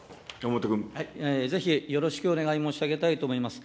ぜひよろしくお願い申し上げたいと思います。